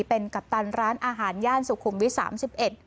เป็นกัปตันร้านอาหารย่านสุขุมวิทย์๓๑